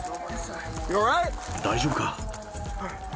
大丈夫か？